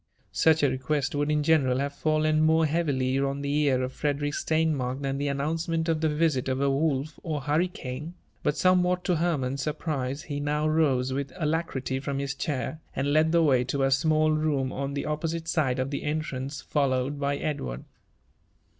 Such a request would in general have fallen more heavily on the ear of Frederick Steinmark than the announcement of the visit of a wolf or hurricane; but, somewhat to Herman's surprise, he now rose with alacrity from his chair, and led the way to a small room on the oppo site side of the entrance, followed by Edward.